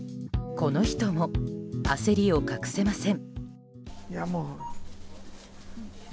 この人も焦りを隠せません。